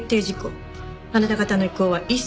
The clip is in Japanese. あなた方の意向は一切関係ない。